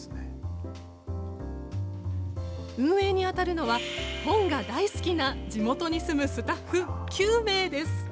運営に当たるのは、本が大好きな地元に住むスタッフ９名です。